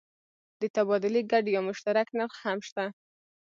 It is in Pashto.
د تبادلې ګډ یا مشترک نرخ هم شته.